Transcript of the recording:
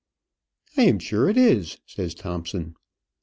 "I am sure it is," says Thompson.